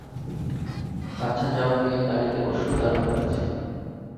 আচ্ছা যাও গিয়ে গাড়ীতে বসো দারুণ হয়েছে।